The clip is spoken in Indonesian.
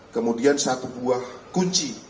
kemudian satu buah kunci